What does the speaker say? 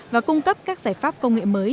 và cung cấp các giải pháp công nghệ mới